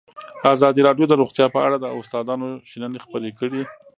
ازادي راډیو د روغتیا په اړه د استادانو شننې خپرې کړي.